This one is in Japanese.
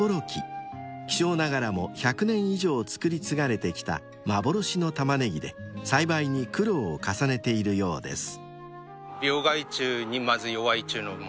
［希少ながらも１００年以上作り継がれてきた幻のタマネギで栽培に苦労を重ねているようです］